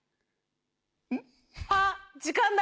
「あっ時間だ。